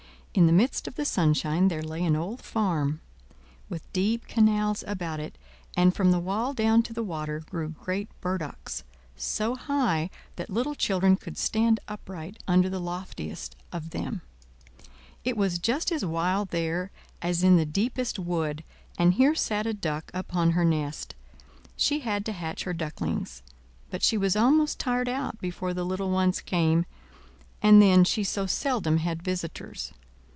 In the midst of the sunshine there lay an old farm, with deep canals about it, and from the wall down to the water grew great burdocks, so high that little children could stand upright under the loftiest of them. It was just as wild there as in the deepest wood, and here sat a Duck upon her nest; she had to hatch her ducklings; but she was almost tired out before the little ones came; and then she so seldom had visitors.